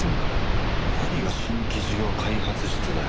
何が新規事業開発室だよ。